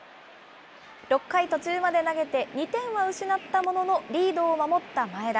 ６回途中まで投げて、２点は失ったものの、リードを守った前田。